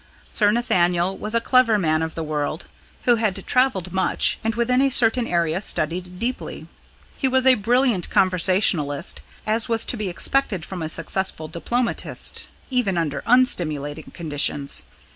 Sir Nathaniel was a clever man of the world, who had travelled much, and within a certain area studied deeply. He was a brilliant conversationalist, as was to be expected from a successful diplomatist, even under unstimulating conditions.